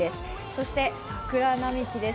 そして桜並木です。